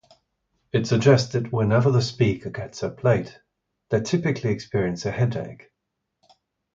It suggests that whenever the speaker gets up late, they typically experience a headache.